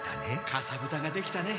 「かさぶたができたね。